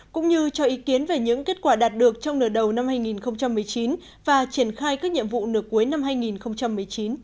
cũng như cho ý kiến về những kết quả đạt được trong nửa đầu năm hai nghìn một mươi chín và triển khai các nhiệm vụ nửa cuối năm hai nghìn một mươi chín